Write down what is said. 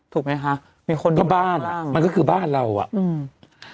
ถูกไหมคะมีคนก็บ้านอ่ะมันก็คือบ้านเราอ่ะอืม